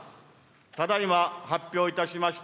ただいま発表いたしました